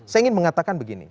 saya ingin mengatakan begini